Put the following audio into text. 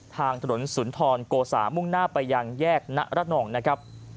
ทางถนนสุนทรโกสามุ่งหน้าไปยังแยกณรนองนะครับ